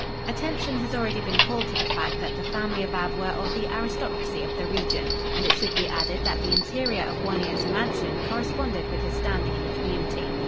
Attention has already been called to the fact that the family of Ab were of the aristocracy of the region, and it should be added that the interior of One Ear's mansion corresponded with his standing in the community.